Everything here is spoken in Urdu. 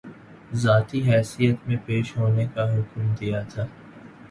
ذاتی حیثیت میں پیش ہونے کا حکم دیا تھا